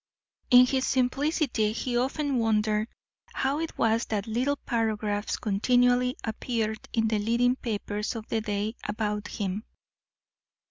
In his simplicity, he often wondered how it was that little paragraphs continually appeared in the leading papers of the day about him.